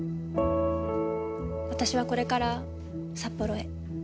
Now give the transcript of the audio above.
私はこれから札幌へ。